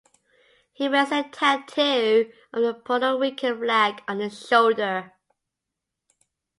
He wears a tattoo of the Puerto Rican Flag on his shoulder.